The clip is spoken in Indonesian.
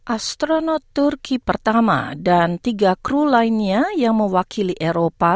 astronot turki pertama dan tiga kru lainnya yang mewakili eropa